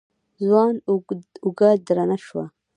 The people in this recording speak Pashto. ځوان اوږه درنه شوه.